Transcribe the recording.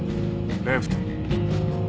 レフト。